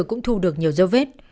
cũng thu được nhiều dao vết